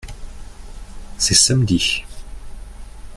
C’est samedi.